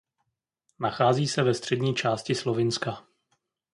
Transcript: Nachází se ve střední části Slovinska.